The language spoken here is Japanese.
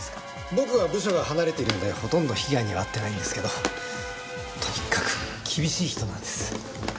僕は部署が離れているのでほとんど被害には遭ってないんですけどとにかく厳しい人なんです。